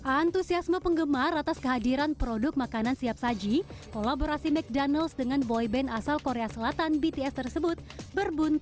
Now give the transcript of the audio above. antusiasme penggemar atas kehadiran produk makanan siap saji kolaborasi mcdonald's dengan boyband asal korea selatan bts tersebut berbunka